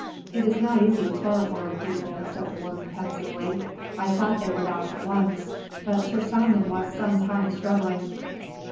It is not easy to chloroform people," said the woman, pensively. "I thought they went off at once, but Sir Simon was some time struggling."